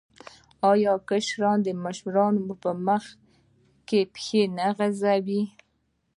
آیا کشران د مشرانو په مخ کې پښې نه اوږدوي؟